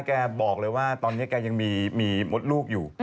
แกบอกเลยว่าตอนนี้แกยังมีมดลูกอยู่